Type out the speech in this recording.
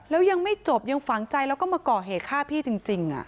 แล้วยังไม่จบยังฝังใจแล้วก็มาก่อเหตุฆ่าพี่จริง